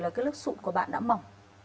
là cái lớp sụn của bạn đã mỏng